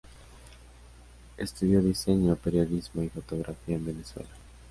Estudió diseño, periodismo y fotografía en Venezuela.